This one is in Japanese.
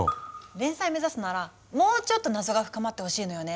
連載目指すならもうちょっと謎が深まってほしいのよね。